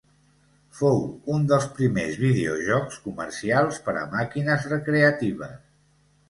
Fou un dels primers videojocs comercials per a màquines recreatives.